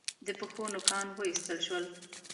د پښو نوکان و ایستل شول.